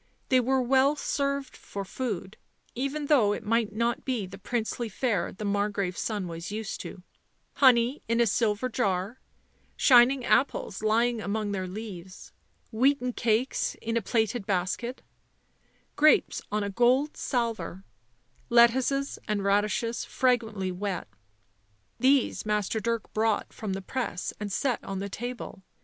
They were well served for food, even though it might not be the princely fare the Margrave's son was used to ; honey in a silver jar, shining apples lying among their leaves, wheaten cakes in a plaited basket, grapes on a gold salver, lettuces and radishes fragrantly wet ; these Master Dirk brought from the press and set on the table.